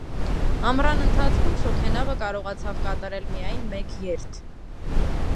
Ամռան ընթացքում շոգենավը կարողացավ կատարել միայն մեկ երթ։